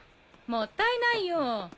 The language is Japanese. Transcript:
もったいないよ。